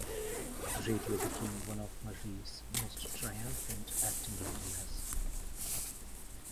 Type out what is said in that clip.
Radio became one of Murray's most triumphant acting areas.